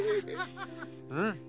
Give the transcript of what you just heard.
うん。